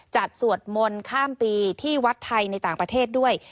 สวดมนต์ข้ามปีที่วัดไทยในต่างประเทศด้วย